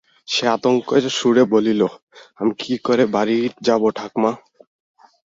সে আতঙ্কের সুরে বলিল, আমি কি করে বাড়ি যাবো ঠাকমা!